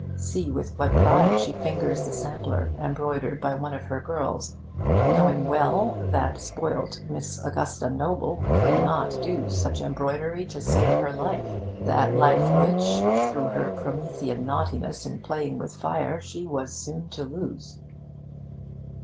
See with what pride she fingers the sampler embroidered by one of her girls, knowing well that 'spoilt' Miss Augusta Noble could not do such embroidery to save her life that life which, through her Promethean naughtiness in playing with fire, she was so soon to lose.